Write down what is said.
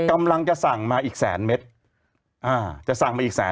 กำลังจะสั่งมาอีกแสนเมตร